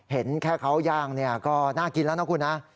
เห็นแค่เขาย่างก็น่ากินแล้วนะคุณนะ